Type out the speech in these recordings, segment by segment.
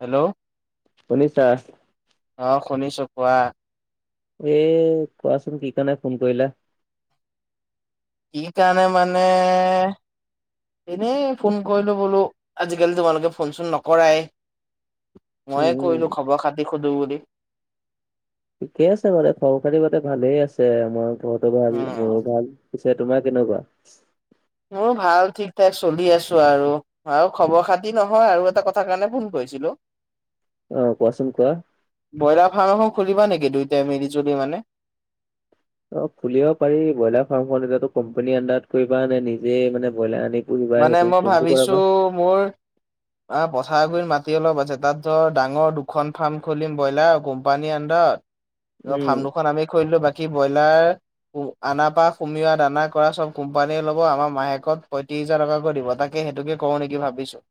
Hello শুনিছা? অ' শুনিছোঁ, কোৱা। এ' কোৱাচোন কি কাৰণে ফোন কৰিলা? কি কাৰণে মানে - এনেই ফোন কৰিলোঁ বোলোঁ, আজিকালি তোমালোকে ফোন-চোন নকৰাই। উম মইয়ে উম কৰিলোঁ খবৰ-খাতি সোধো বুলি। ঠিকে আছে বাৰু, খবৰ-খাতি গোতে ভালেই আছে। আমাৰ ঘৰতো ভাল, উম মোৰো ভাল। তে তোমাৰ কেনেকুৱা? মোৰো ভাল, ঠিক-ঠাক চলি আছোঁ আৰু। আৰু খবৰ-খাতি নহয়, আৰু এটা কথা কাৰণে ফোন কৰিছিলোঁ। অহ, কোৱাচোন কোৱা। ব্ৰইলাৰ ফাৰ্ম এখন খুলিবা নেকি? দুইটাই মিলি-জুলি মানে। অ' খুলিব পাৰি। ব্ৰইলাৰ ফাৰ্মখন এতিয়াটো কম্পানী আণ্ডাৰত কৰিবা নে নিজেই মানে, ব্ৰইলাৰ আনি - মানে মই ভাবিছোঁ মোৰ অ', পথাৰ গুৰিত মাটি অলপ আছে। তাত ধৰ ডাঙৰ দুখন ফাৰ্ম খুলিম ব্ৰইলাৰ, কোম্পানী আণ্ডাৰত। উম ফাৰ্ম দুখন আমি খুলিলোঁ বা কী ব্ৰইলাৰ আনা পা সুমিওৱা দানা কৰা চব কোম্পানীয়ে ল'ব, আমাক মাহেকত প্ৰই ত্ৰিশ হাজাৰ টকাকৈ দিব তাকে সেইটোকে কৰোঁ নেকি ভাবিছোঁ।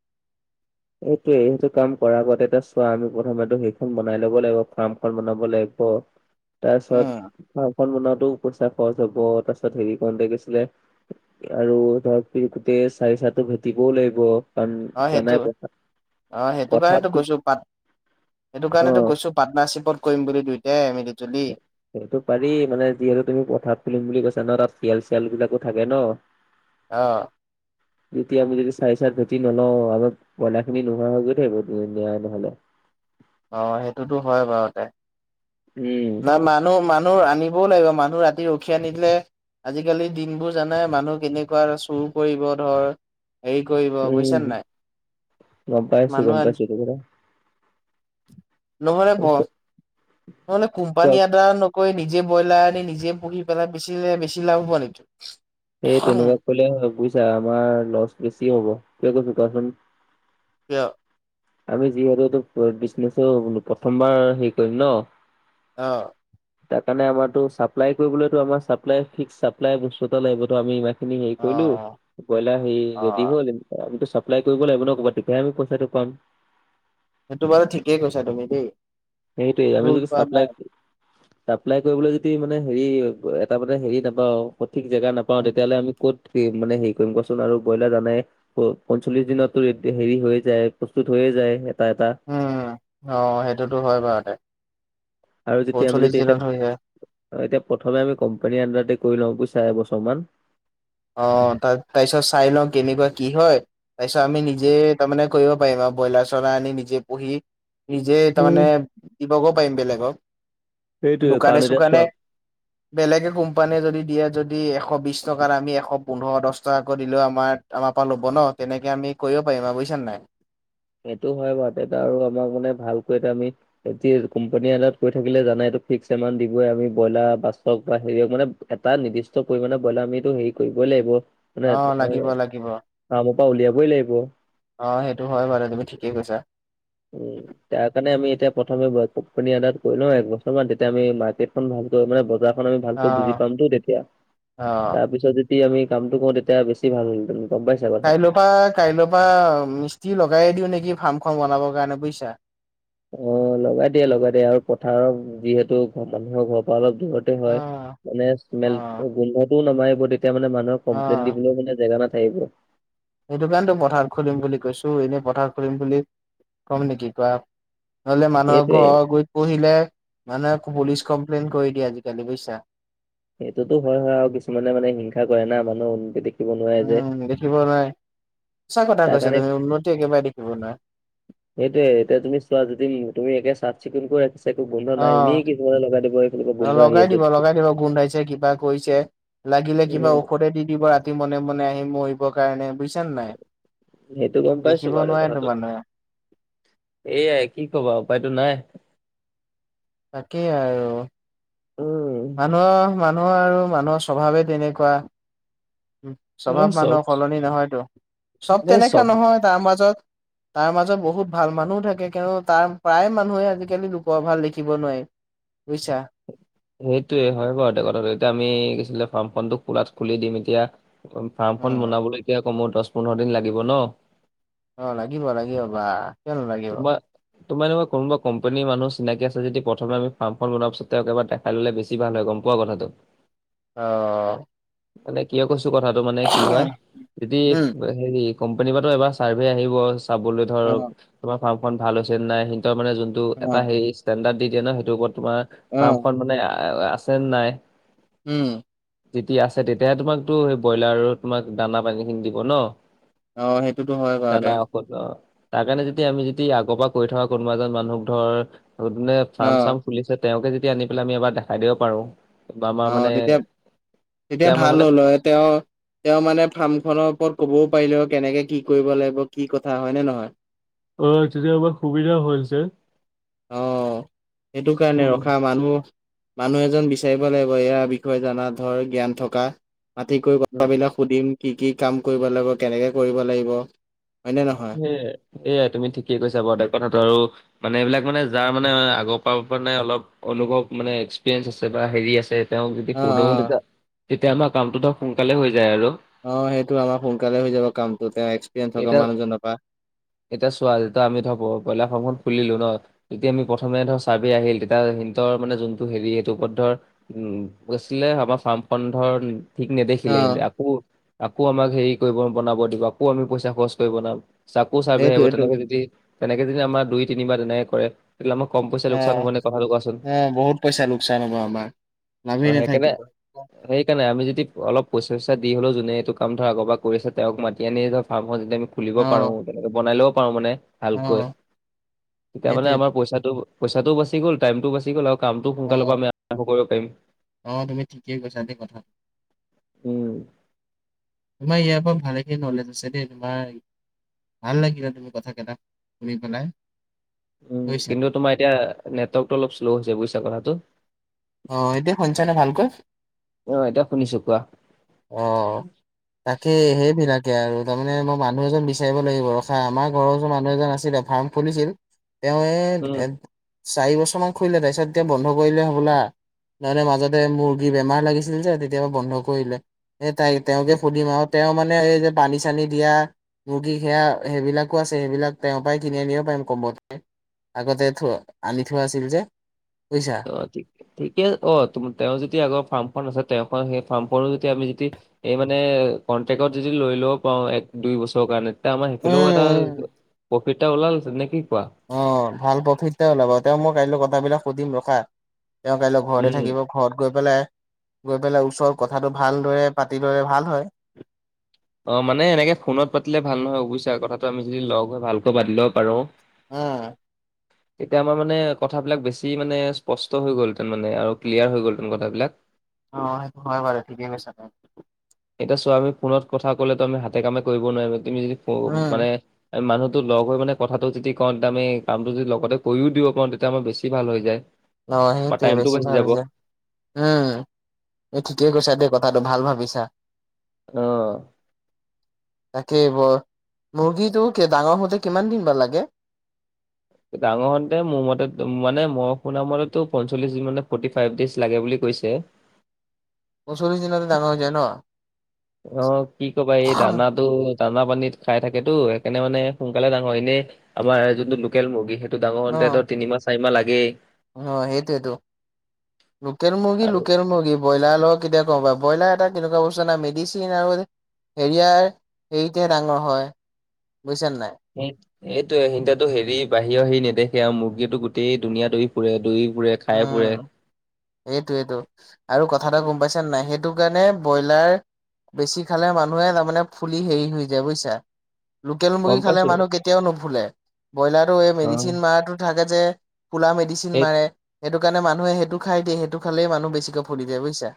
এইটোয়ে। এইটো কাম কৰাৰ আগতে এটা চোৱা আমি প্ৰথম সেইখন বনাই ল'ব লাগিব ফাৰ্মখন বনাব লাগিব। [inaudible] উম। তাৰপিছত ঘৰখন বনাওতেও পইচা খৰচ হ'ব, তাৰপিছত হেৰি কৰোতে গৈছিলে আৰু ধৰক গোটেই চাৰি চাইডটো ভেটিবও লাগিব কাৰণ অ সেইটো জানাই অ', সেইটো পথাৰত কাৰণেতো খু কৈছোঁ পাত সেইটো অ কাৰণেতো কৈছো পাৰ্টনাৰশ্বিপত কৰিম বুলি দুইোটাই, মিলি জুলি। সেইটো পাৰি। মানে যিহেতু তুমি পথাৰাত খুলিম বুলি কৈছা ন তাত শিয়েল চিয়ালবিলাকো থাকে ন'! অ'। এতিয়া যদি চাই, চাই ভেটি নলওঁ আমাৰ বইলাখিনি নোহোৱা হৈ গৈ থাকিব [unintelligible] নহ'লে। অ', সেইটোতো হয়, বাৰুতে উম নাই মানুহ, মানুহ আনি শুবও লাগিব, মানুহ ৰাতি ৰখিয়া নিদিলে আজিকালি দিনবোৰ জানাই মানুহ কেনেকুৱা আৰু চুৰ কৰিব ধৰ! হেৰি কৰিব উম বুইছা নে নাই! গম পাইছো মানুহ আনি [inaudible] নহ'লে তাৰপিছত [unintelligible] মানে কোৱা, কোম্পানী এটা নত কৈ নিজে ব্ৰইলাৰ আনি নিজে পুহি পেলাই বেচিলে বেছি লাভ হ'ব নিকি? এই তেনেকুৱা কৰিলে এ, বুইছা আমাৰ লছ বেছি হ'ব। কিয় কৈছোঁ কোৱাচোন! কিয়? আমি যিহেতু এইটো বিজনেছো প্ৰথম বাৰ হেৰি কৰিম ন। অ'। তাৰ কাৰণে আমাৰতো চাপ্লাই কৰিবলৈতো আমাৰ চাপ্লাই ফিক্স, চাপ্লাই বস্তু এটা লাগিবতো আমি ইমান খিনি হেৰি অ কৰিলো ব্ৰইলাৰ হে অ ৰেডি হ'ল আমিতো চাপ্লাই কৰিব লাগিব ন, ক'বাত তেতিয়াহে আমি পইচাটো পাম। সেইটো বাৰু ঠিকেই কৈছা তুমি দেই। সেইটোৱেই আমি ভুল যদি কোৱা চাপ্লাই নাই চাপ্লাই কৰিবলৈ যদি মানে হেৰি এ, এটা মানে হেৰি নাপাওঁ, সঠিক জেগা নাপাওঁ অ', উম তেতিয়াহ'লে আমি ক'ত কি মানে হেৰি কৰিম কোৱাচোন আৰু ব্ৰইলাৰ জানায়েই! প-পঞ্চল্লিশ দিনতো একদিন হেৰি হৈয়ে যায় প্ৰস্তুত হৈয়ে যায় এটা, এটা। উম, উম, উম, অ', সেইটোতো হয়, বাৰুতে। আৰু যেতিয়া আমি পঞ্চল্লিশ যেতিয়া এতিয়া, দিনত হৈ যায় ত' এতিয়া প্ৰথমে আমি কোম্পানীৰ আণ্ডাৰতে কৰি লওঁ বুইছা এবছৰমান। অ', অ', তাত- তাৰপিছত চাই লওঁ কেনেকুৱা কি হয়, তাৰপিছত আমি নিজে তাৰমানে কৰিব পাৰিম আৰু ব্ৰইলাৰ-চয়লাৰ আনি নিজে পুহি। নিজে উম। তাৰমানে দিবগৈ পাৰিম বেলেগক। সেইটোৱে দোকানে কাৰণ এতিয়া চোকানে চোৱা বেলেগে, কোম্পানীয়ে যদি দিয়ে যদি এশ বিশ টকাত। আমি এশ এশ পোন্ধৰ দহ টকাকৈ দিলেও আমাৰ, আমাৰ পৰা ল'ব ন' তেনেকে আমি কৰিব পাৰিম আৰু বুইছা নে নাই। সেইটো হয়, বাৰু। তেতা আৰু আমাক মানে ভালকৈ এটা আমি এতিয়া কোম্পানী এটাত কৰি থাকিলে জানাই এইটো ফিক্স এমাউন্ট দিবই আমি ব্ৰইলাৰ পাঁচশ বা হেৰিয়ক মানে এটা নিৰ্দিষ্ট পৰিমাণে ব্ৰইলাৰ আমিতো হেৰি কৰিবই লাগিব। অ [unintelligible] লাগিব লাগিব ফ্ৰামৰ পৰা উলিয়াবই লাগিব। অ', সেইটো হয়, বাৰু তুমি ঠিকেই কৈছা। উম উত উত [unintelligible] তাৰ কাৰণে আমি এতিয়া প্ৰথমে ৱৰ্ক কোম্পানী এটাত কৰি লও একবছৰ মান তেতিয়া আমি মাৰ্কেটখন ভালকৈ মানে বজাৰ বজাৰখন আমি অ ভালকৈ বুজি পামটো তেতিয়া অ তাৰ পিছত যদি আমি কামটো কৰোঁ তেতিয়া বেছি ভাল হ'ল হেতেন। গম পাইছা কথা অহা কাইলৈৰ পৰা মিস্ত্ৰী লগাই দিও নেকি ফাৰ্ম খন বনাবৰ কাৰণে বুজিছা। অ লগাই দিয়া লগাই দিয়া আৰু পথাৰত যিহেতু মানুহৰ ঘৰৰ পৰা অলপ দূৰত এইটো অ হয় মানে অ স্মেলটো গোন্ধটোও নামাৰিব তেতিয়া মানে মানুহক অ কমপ্লেইন দিবলৈও মানে জেগা নাথাকিব। সেইটো কাৰণেতো পথাৰত খুলিম বুলি কৈছো এনেই পথাৰত খুলিম বুলি কম নেকি কোৱা? নহলে মানুহৰ সেইটোৱে ঘৰত গুৰিত পুহিলে মানুহে আকৌ পুলিচ কমপ্লেইন কৰি দিয়ে আজিকালি বুজিছা। সেইটোতো হয় হয় আৰু কিছুমানে মানে হিংসা কৰে না মানুহৰ উন্নতি দেখি উম উ উ দেখিব নোৱাৰে সঁচা কথা তাৰ কৈছা কাৰণে তুমি উন্নতি একেবাৰে দেখিব নোৱাৰে। সেইটোৱে এতিয়া তুমি চোৱা যদি তুমি একে চাফ-চিকুণ কৰি ৰাখিছা একো গোন্ধ অ নাই অ, এনেই কিছুমানে লগাই দিব এইফালৰ পৰা অ গোন্ধ আহি লগাই আছে। দিব লগাই দিব গোন্ধাইছে কিবা কৰিছে। লাগিলে কিবা উম ঔষধে দি দিব ৰাতি মনে মনে আহি মৰিবৰ কাৰণে বুজিছানে নাই। সেইটো গম পাইছো দেখিব বাৰু এতিয়া নোৱাৰেতো কথাটো মানুহে এয়াই কি কবা আৰু উপায়টো নাই। তাকেই আৰু। উম। মানুহৰ মানুহ আৰু মানুহৰ স্বভাৱে তেনেকুৱা উম অ স্বভাৱ চব মানুহৰ সলনি নহয়তো চব তেনেকা নহয় তাৰ মাজত তাৰ মাজত বহুত ভাল মানুহো থাকে কিয়নো তাৰ প্ৰায় মানুহে আজিকালি লোকৰ ভাল দেখিব নোৱাৰি। বুইছা। সেইটোয়ে হয় বাৰু এতিয়া কথাটো এতিয়া আমি কিছিলে ফাৰ্মখনটো খোলাত খুলি দিম এতিয়া ফাৰ্মখন উম, বনাবলৈকে আকৌ মোৰ দছ পোন্ধৰ দিন লাগিব ন। অ লাগিব লাগিব বা। কিয় নালাগিব তোমাৰ- তোমাৰ এনেকুৱা কোনোবা কম্পনীৰ মানুহ চিনাকি আছে যদি প্ৰথমে আমি ফাৰ্মখন বনোৱা পাছত তেওঁক এবাৰ দে খাই ললে বেছি ভাল হয় গম পোৱা কথাটো। অ। মানে কিয় কৈছো কথাটো মানে কি হয় যদি উম। হেৰি কোম্পানীৰ পা টো এবাৰ চাৰ্ভে আহিব চাবলৈ অ', ধৰক তোমাৰ ফাৰ্মখন ভাল হৈছে নাই সিহঁতৰ মানে যোনটো এটা অ', হেৰি ষ্টেণ্ডাৰ্ড দি দিয়ে ন সেইটো ওপৰত তোমাৰ অ', ফাৰ্মখন মানে আ আছেন নাই। উম। যেতিয়া আছে তেতিয়াহে তোমাকতো সেই ব্ৰইলাৰৰ তোমাক দানা পানী খিনি দিব ন। অ সেইটোতো হয় বাৰু দানা দে। অ তাৰ কাৰণে যদি আমি যদি আগৰ পৰা কৰি থকা কোনোবা এজন মানুহক ধৰ সোধ ফাৰ্ম অ', চাৰ্ম খুলিছে তেওঁকে যদি আনি পেলাই আমি এবাৰ দেখাই দিব পাৰোঁ। অ তেতিয়া তেতিয়া এতিয়া আমাৰ ভাল মানে হ'ল হয় তেওঁ। তেওঁ মানে ফাৰ্ম খনৰ ওপৰত ক'বও পাৰিলে হয় কেনেকে কি কৰিব লাগিব কি কথা হয় নে নহয়। অ তেতিয়া আমাৰ সুবিধা হৈছে। অ সেইটো কাৰণে উম ৰখা মানুহ মানুহ এজন বিচাৰিব লাগিব ইয়াৰ বিষয়ে জানা ধৰ জ্ঞান থকা মাটিকৈ উম কথাবিলাক সোধিম কি কি কাম কৰিব লাগিব কেনেকে কৰিব লাগিব। হয় নে নহয়? সেয়াই সেয়াই তুমি ঠিকে কৈছা বাৰু দেই কথাটো আৰু। মানে এইবিলাক মানে যাৰ মানে আগৰ পৰা মানে অলপ। অনুভৱ মানে এক্সপিৰিয়েঞ্চ আছে বা হেৰি আছে তেওঁক যদি অ', সুধো অ', তেতিয়া, তেতিয়া আমাৰ কামটো সোনকালে হৈ যায় আৰু। অ সেইটো আমাৰ সোনকালে হৈ যাব কামটো তেওঁ এক্সপিৰিয়েন্ঞ্চ থকা এতিয়া মানুহজনৰ পৰা। এতিয়া চোৱা যেতিয়া আমি ধৰ ব্ৰই ব্ৰইলাৰ ফাৰ্মখন খুলিলো ন তেতিয়া আমি প্ৰথমে ধৰ চাৰ্ভে আহিল তেতিয়া সিহঁতৰ মানে যোনটো হেৰি সেইটো ওপৰত ধৰ উম গৈছিলে আমাৰ ফাৰ্মপন্ধৰ ঠিক নেদেখিলে অ', আকৌ, আকৌ আমাক হেৰি কৰিব বনাব দিব আকৌ আমি পইচা খৰচ কৰি বনাম। চাকো চাৰ্ভে সেইটো আহিব সেইটো তেনেকে যদি তেনেকে যদি আমাৰ দুই তিনিবাৰ তেনেকে কৰে। তেতিয়া আমাৰ কম পইচা অ লোকচান হ'ব নে কথাটো কোৱাচোন অ বহুত পইচা লোকচান হ'ব আমাৰ। অ লাভেই সেইকাৰণে নাথাকিব। সেইকাৰণে আমি যদি অলপ পইচাইচা দি সেই কাৰণে আমি যদি অলপ পইছা চৈচা দি হলেও যোনে এইটো কাম ধৰ আগৰ পৰা কৰিছে তেওঁক মাতি আনি ধৰ ফাৰ্মখন যদ আমি খুলিব পাৰোঁ অ', তেনেকে বনাই লব পাৰোঁ মানে ভালকৈ অ', তেতিয়া মানে সেইটোৱেইটো আমাৰ পইচাটো পইচাটো বাচি গ'ল টাইমটো বাচি গল আৰু কামটো সোনকালৰ অ', পৰা আমি আৰম্ভ কৰিব পাৰিম। অ তুমি ঠিকেই কৈছা দেই কথাতো। উম তোমাৰ ইয়াৰ পৰা ভালেকে নলেজ আছে দেই তোমাৰ ভাল লাগিলে তুমি কথা কেইটা শুনি পেলাই। উম বুজিছা। কিন্তু তোমাৰ এতিয়া নেটৱৰ্কটো অলপ শ্ল' হৈছে বুজিছা কথাটো। অহ এতিয়া শুনিছা নে ভালকৈ? অ', এতিয়া শুনিছো কোৱা। অহ। তাকে সেইবিলাকে আৰু তাৰ মানে মই মানুহ এজন বিচাৰিব লাগিব ৰখা আমাৰ ঘৰৰ মানুহ এজন আছিলে ফাৰ্ম খুলিছিল উম তেওঁৱে চাৰি বছৰমান খুলিলে তাৰপিছত এতিয়া বন্ধ কৰিলে হ'বলা। নহলে মাজতে মুৰ্গী বেমাৰ লাগিছিল যে তেতিয়াৰ পৰা বন্ধ কৰিলে সেই তাই তেওঁকে সোধিম আৰু তেওঁ মানে এই যে পানী চানী দিয়া। মূৰ্গী সেয়া সেইবিলাকো আছে সেইবিলাক তেওঁৰ পৰাই কিনি আনিব পাৰিম কমতে। আগতে থ আনি থোৱা আছিল যে, বুইছা। অ ঠিকে অ তেওঁৰ যদি আগৰ ফাৰ্মখন আছে তেওঁ সেই ফাৰ্মখনো যদি আমি যদি এই মানে কণ্ট্ৰেক্টত যদি লৈ লব পাৰো এক-দুই বছৰৰ কাৰণে এ আমাৰ উম সিফালেও এটা উম। প্ৰফিট এটা ওলাল হেতিন নে কি কোৱা। অ ভাল প্ৰফিট এটা ওলাব তেওঁ মই কাইলৈ কথা বিলাক সুধিম ৰখা তেওঁ কাইলৈ ঘৰতে উম থাকিব ঘৰত গৈ পেলাই, গৈ পেলাই ওচৰত কথাটো ভাল দৰে পাতি ললে ভাল হয়। অ মানে এনেকে ফোনত পাতিলে ভাল নহয় বুজিছা কথাটো আমি যদি লগ হৈ ভালকৈ পাতি লব পাৰো। আহ। তেতিয়া আমাৰ মানে কথাবিলাক বেছি মানে স্পষ্ট হৈ গ'ল হেতেন মানে আৰু ক্লিয়াৰ হৈ গ'ল হেতেন কথাবিলাক। অ' সেইটো হয় বাৰু ঠিকেই কৈছা। এতিয়া চোৱা আমি ফোনত কথা কলেতো আমি হাতে কামে কৰিব নোৱাৰিম তুমি যদি উম, মানে আমি মানুহতো লগ হৈ মানে কথাটো যদি কওঁ তেতিয়া আমি কামটো যদি লগতে কৰিও দিব পাৰোঁ তেতিয়া আমাৰ বেছি ভাল হৈ যায় অ বা সেইটোৱে টাইমটো বেছি বাচি ভাল যাব অ। যে। উম তুমি ঠিকেই কৈছা দেই কথাটো ভাল ভাবিছা। অহ। তাকেই ব মুৰ্গীটো কে ডাঙৰ হওতে কিমান দিন বা লাগে? ডাঙৰ হওতে মোৰ মতে মান মই শুনা মতেটো পঞ্চলিচ মানে ফৰটি ফাইভ ডেজ লাগে বুলি কৈছে। পঞ্চলিছ দিনত অ কি কবা এই দানাত তো দানা পানী খাই থাকেতো সেইকাণে মানে সোনকালে ডাঙৰ এনে আমাৰ যোনটো লো লোকেল মুৰ্গী, সেইটো ডাঙৰ অ' ধৰ তিনিমাহ চাৰিমাহ লাগেই। অ', সেইটোৱেটো। লোকেল মূৰ্গী, আৰু লোকেল মুৰ্গী। ব্ৰইলাৰ লগত কেতিয়া গম পাবা। ব্ৰইলাৰ এটা কেনেকুৱা বস্তু মেডিচিন আৰু হেৰিয়াৰ হেৰিতহে ডাঙৰ হয়, বুইছা নাই! [inaudible] এইটো এ, সিহঁতেটো হেৰি বাহিৰৰ হেৰি নেদেখে আৰু মুৰ্গীটো গোটেই দুুনীয়া দৌৰি ফুৰে, দৌৰি ফুৰে। খাই ফুৰে উম। এইটোৱেটো আৰু কথা এটা গম পাইছে নাই সেইটো কাৰণে ব্ৰইলাৰ বেছি খালে মানুহে তাৰমানে ফুলি হেৰি হৈ যায় বুইছা। লোকেল মুৰ্গী গম খালে পাইছো মানুহ কেতিয়াও নুফুলে। ব্ৰইলাৰো এই অ মেডিচিন মাৰটো থাকে যে। ফুলা মেডিচিন সেই মাৰে, সেইটোকাৰণে মানুহে সেইটো খাই দিয়ে সেইটো খালেই মানুহ বেছিকৈ ফুলি দিয়ে বুইছা।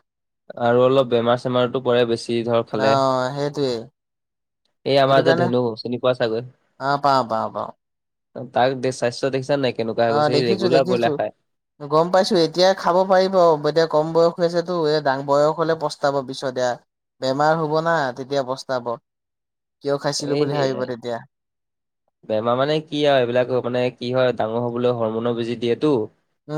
আৰু অলপ বেমাৰ চেমাৰতো পৰে বেছি ধৰ খালে। অ', সেইটোয়ে। এই আমাৰ যে ধেনু চিনি পোৱা চাগৈ? অ পাওঁ পাওঁ পাওঁ তাৰ স্বাস্থ্য দেখিছা নাই কেনেকুৱা অ হৈ গৈছে, সেই দেখিছো ৰেগুলাৰ দেখিছো ব্ৰইলাৰ খায়। গম পাইছোঁ। এতিয়া খাব পাৰিব, এতিয়া কম বয়স হৈছেতো এ, ডাং বয়স হ'লে পস্তাব পিছত এয়া। বেমাৰ হ'ব না তেতিয়া পস্তাব। কিয় খাইছিলো এই বুলি ভাবিব সেয়াই তেতিয়া! বেমাৰ মানে কি আৰু এইবিলাক মানে কি হয়, ডাঙৰ হবলৈ হৰমনৰ বুজি দিয়েতো। উম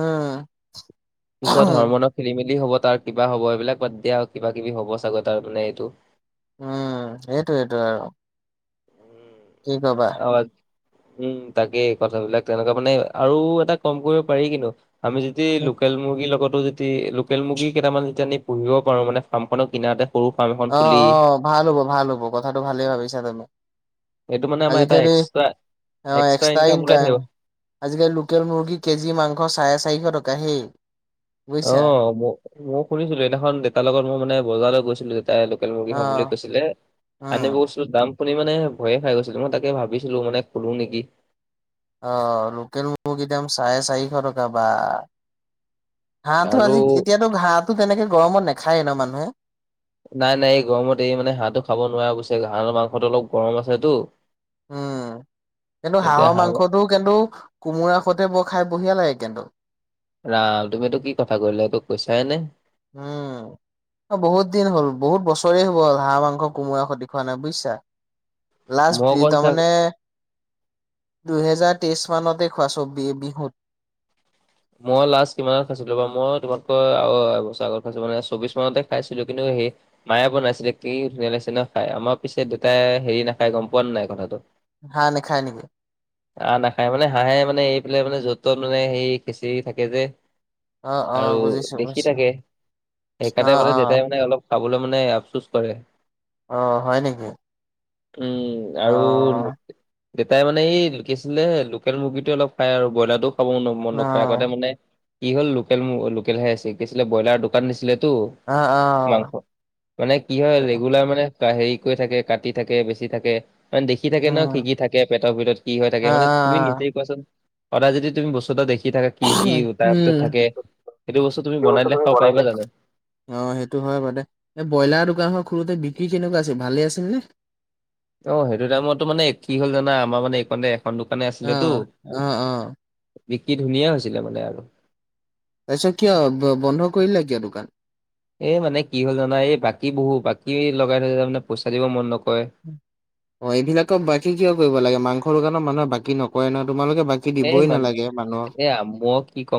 পিছত হৰমনৰ খেলি মেলি হ'ব, তাৰ কিবা হ'ব এইবিলাক বাদ দিয়া আৰু কিবা কিবি হ'ব চাগৈ তাৰ মানে এইটো। উম, সেইটোয়েটো আৰু। উম কি ক'বা? অ', উম, তাকে কথাবিলাক তেনেকুৱা মানে আৰু এটা কম কৰিব পাৰি কিন্তু। আমি যদি লোকেল মুৰ্গীৰ লগতো লোকেল মুৰ্গী কেইটামান যেতিয়া আমি পুহিব পাৰোঁ মানে ফাৰ্ম খনৰ কিনাৰতে! সৰু ফাৰ্ম এখন অ', খুলি অ', ভাল হ'ব ভাল হ'ব কথাটো ভালেই ভাবিছা তুমি। এইটো মানে আমাৰ এটা আজিকালি এক্সট্ৰা অ', এক্সট্ৰা ইনকাম আজিকালি লোকেল মুৰ্গীৰ কেজি মাংস চাৰে চাৰিশ টকা হেই! বুজিছা অ', মও মই শুনিছিলোঁ। এইদিনাখন দেতাৰ লগত মই মানে বজাৰলৈ গৈছিলো দেতাই লোকেল মূর্গী অ খাম বুলি কৈছিলে, আনিব উম গৈ টো দাম শুনি মানে ভয়ে খাই গৈ, মই তাকে ভাবিছিলো মানে খোলো নেকি? অ', লোকেল মুৰ্গী দাম চাৰে চাৰিশ টকা বা! হাঁহটো আৰু আজি এতিয়াতো হাঁহটো তেনেকে গৰমত নেখায়েই ন মানুহে? নাই, নাই এই গৰমত এই মানে হাঁহটো খাব নোৱাৰে অৱশ্যে হাঁহৰ মাংসটো অলপ গৰম আছেতো। উম, কিন্তু এতিয়া হাঁহৰ হাঁহ মাংসটো কিন্তু কোমোৰা সৈতে বৰ খাই বঢ়িয়া লাগে কিন্তু। ৰাম তুমি এইটো কি কথা কৈ দিলা, এইটো সঁচাই নে? উম। অ', বহুত দিন হ'ল, বহুত বছৰেই হ'ল হাঁহ মাংস কোমোৰা সতি খোৱা নাই বুইছা? লাষ্ট মই বি কন চা তাৰমানে দুহেজাৰ তেইশ মানতে খোৱাছো বি বিহুত। মই লাষ্ট কিমানত খাইছিলোঁ বাৰু, মই তোমালোকৰ আ এবছৰ আগত খাইছিলোঁ মানে চৌবিশ মানতে খাইছিলোঁ কিন্তু সে মায়ে বনাইছিলে কি ধুনীয়া লাগিছে ন খাই, আমাৰ পিছে দেউতাই হেৰি নাখাই গম পোৱা নো নাই কথাটো? হাঁহ নেখায় নেকি? হাঁহ নাখায় মানে হাঁহে মানে এইফালে মানে য'ত ত'ত মানে সেই খেঁচিৰি থাকে যে। অ', অ', আৰু বুজিছো দেখি বুজিছো থাকে। অ', সেইকাৰণে মানে অ', দেউতাই মানে অলপ খাবলৈ মানে আফচোচ কৰে। অ হয় নেকি? উম অ', আৰু দেউতাই মানে এই কি আছিলে লোকেল মুৰ্গীটোৱে অলপ খায় আৰু ব্ৰইলাৰটোও খাব মন নকৰে আগতে অ', মানে কি হ'ল লোকেল মু লোকেল হে আছে কি আছিলে ব্ৰইলাৰ দোকান দিছিলেতো। অ', অ', মাংস, মানে কি হয় ৰেগুলাৰ মানে হেৰি কৰি থাকে কাটি থাকে, বেচি থাকে মানে দেখি থাকে ন কি উম, কি থাকে, পেটৰ ভিতৰত কি হৈ থাকে অ', মানে তুমি অ', নিজেই কোৱাচোন সদায় যদি তুমি বস্তু এটা দেখি থাকা কি কি তাৰ উম। ভিতৰত থাকে, সেইটো বস্তু তুমি বনাই দিলে খাব পাৰিবা জানো? অ সেইটো হয় বাৰ দে, এই ব্ৰইলাৰ দোকানখন খোলোঁতে বিক্ৰী কেনেকুৱা আছিল ভালেই আছিল নে? অ সেইটো টাইমতটো মানে কি হ'ল জানা আমাৰ মানে এইখনে এখন দোকানে অ', আছিলেতো অ', অ', বিক্ৰি ধুনীয়া হৈছিলে মানে আৰু। তাৰপিছত কিয় ব বন্ধ কৰিলা কিয় দোকান? এ মানে কি হ'ল জানা এই বাকী বহু বাকী লগাই থয় তাৰ মানে পইচা দিব মন নকৰে। অ এইবিলাকক বাকী কিয় কৰিব লাগে, মাংসৰ দোকানৰ মানুহে বাকী নকৰে নহয় তোমালোকে বা বাকী দিবই নালাগে মানুহক। এ আমুক কি কম?